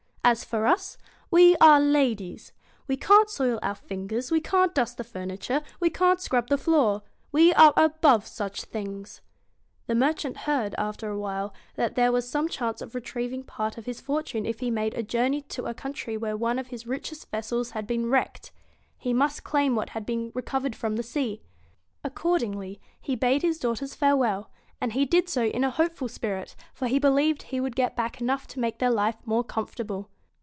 As for us, we are ladies. We can't soil our fingers, we can't dust the furniture, we can't scrub the floor. We are above such things.' The merchant heard, after a while, that there was some chance of retrieving part of his fortune if he made a journey to a country where one of his richest vessels had been wrecked. He must claim F 81 BEAUTY what had been recovered from the sea. Accord AND THE ingly, he bade his daughters farewell, and he did BEAST so j n a hopeful spirit, for he believed he would get back enough to make their life more comfortable.